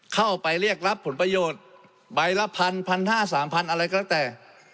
เข้าไปเรียกรับผลประโยชน์ใบละพัน๑๕๐๐๓๐๐อะไรก็แล้วแต่